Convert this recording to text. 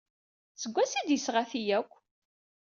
Seg wansi ay d-yesɣa ti akk?